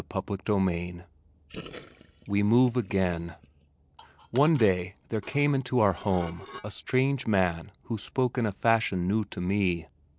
CHAPTER VIII We Move Again One day there came into our home a strange man who spoke in a fashion new to me.